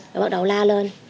rồi bắt đầu la lên